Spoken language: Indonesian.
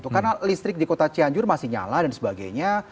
karena listrik di kota cianjur masih nyala dan sebagainya